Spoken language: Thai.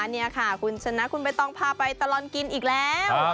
นี่ค่ะคุณชนะคุณใบตองพาไปตลอดกินอีกแล้ว